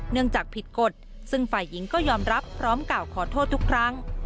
จากผิดกฎซึ่งฝ่ายหญิงก็ยอมรับพร้อมกล่าวขอโทษทุกครั้ง